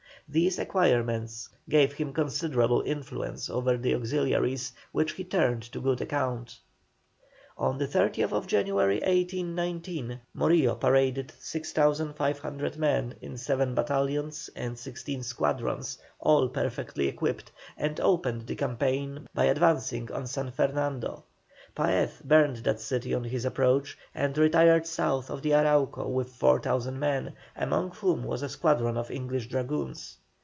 These acquirements gave him considerable influence over the auxiliaries, which he turned to good account. On the 30th January, 1819, Morillo paraded 6,500 men, in seven battalions and sixteen squadrons, all perfectly equipped, and opened the campaign by advancing on San Fernando. Paez burned that city on his approach, and retired south of the Arauca with 4,000 men, among whom was a squadron of English dragoons.